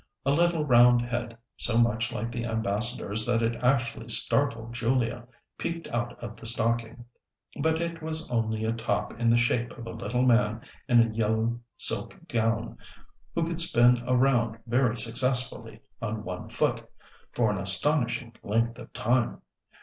A little round head, so much like the Ambassador's that it actually startled Julia, peeped out of the stocking. But it was only a top in the shape of a little man in a yellow silk gown, who could spin around very successfully on one foot, for an astonishing length of time.